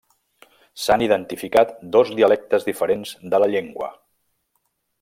S'han identificat dos dialectes diferents de la llengua.